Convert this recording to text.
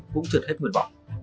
cũng trượt hết nguyên vọng